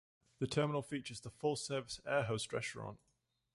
The terminal features the full-service Air Host Restaurant.